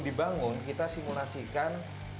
dibangun kita simulasikan